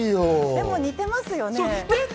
でも似てますよね。